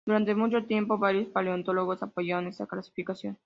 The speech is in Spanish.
Durante mucho tiempo, varios paleontólogos apoyaron esta clasificación.